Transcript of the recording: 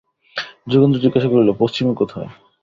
যোগেন্দ্র জিজ্ঞাসা করিল, পশ্চিমে কোথায়?